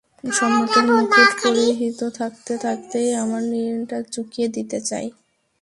সম্রাটের মুকুট পরিহিত থাকতে থাকতেই আমার ঋণটা চুকিয়ে দিতে চাই।